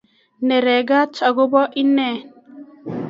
Neregat akobo inee